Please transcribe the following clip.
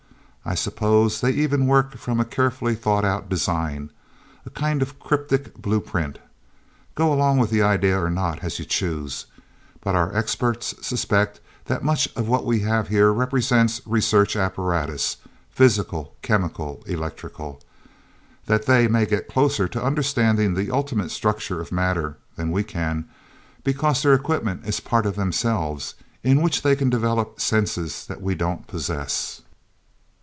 I suppose they even work from a carefully thought out design a kind of cryptic blueprint... Go along with the idea or not as you choose. But our experts suspect that much of what we have here represents research apparatus physical, chemical, electrical. That they may get closer to understanding the ultimate structure of matter than we can, because their equipment is part of themselves, in which they can develop senses that we don't possess...